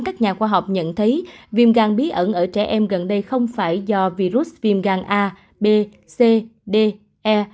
các nhà khoa học nhận thấy viêm gan bí ẩn ở trẻ em gần đây không phải do virus viêm gan a b c de